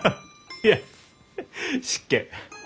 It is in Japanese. いや失敬。